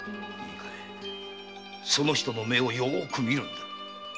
そのお方の目をようく見るんだ。